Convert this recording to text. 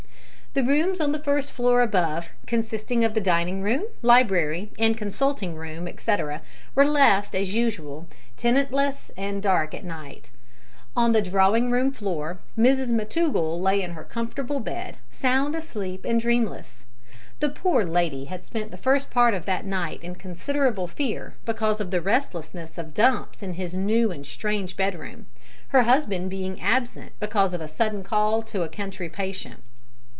The rooms on the first floor above, consisting of the dining room, library, and consulting room, etcetera, were left, as usual, tenantless and dark at night. On the drawing room floor Mrs McTougall lay in her comfortable bed, sound asleep and dreamless. The poor lady had spent the first part of that night in considerable fear because of the restlessness of Dumps in his new and strange bedroom her husband being absent because of a sudden call to a country patient.